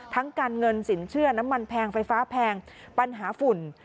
การเงินสินเชื่อน้ำมันแพงไฟฟ้าแพงปัญหาฝุ่น